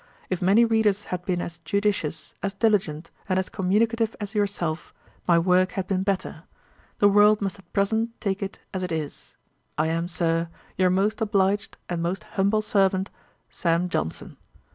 If many readers had been as judicious, as diligent, and as communicative as yourself, my work had been better. The world must at present take it as it is. I am, Sir, 'Your most obliged 'And most humble servant, 'SAM. JOHNSON.'